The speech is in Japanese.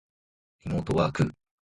リモートワーク